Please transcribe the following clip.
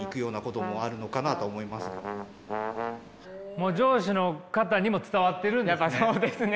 もう上司の方にも伝わってるんですね。